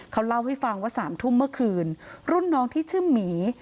เขาเล่าให้ฟังว่า๓ทุ่มเมื่อคืนรุ่นน้องที่ชื่อหมี